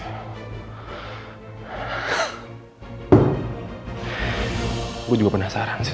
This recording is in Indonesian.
aku juga penasaran sa